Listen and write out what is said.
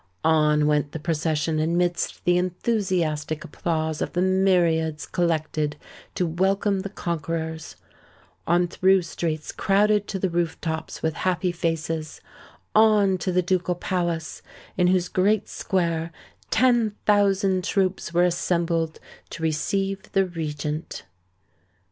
On went the procession amidst the enthusiastic applause of the myriads collected to welcome the conquerors,—on through streets crowded to the roof tops with happy faces,—on to the ducal palace, in whose great square ten thousand troops were assembled to receive the Regent.